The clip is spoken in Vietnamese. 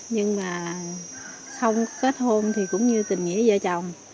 nhưng mà không kết hôn thì cũng như tình nghĩa vợ chồng